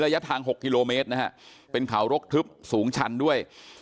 ระยะทาง๖กิโลเมตรนะฮะเป็นเขารกทึบสูงชันด้วย